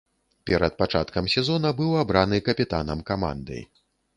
Перад пачаткам сезона быў абраны капітанам каманды.